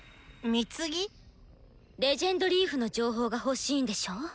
「レジェンドリーフ」の情報が欲しいんでしょう？